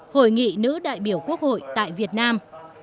hội nghị nữ đại biểu quốc hội tại việt nam